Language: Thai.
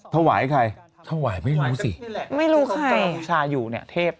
ถวายใครถวายไม่รู้สิไม่รู้ใครกัมพูชาอยู่เนี่ยเทพ